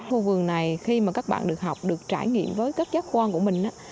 khu vườn này khi mà các bạn được học được trải nghiệm với các giác quan của mình á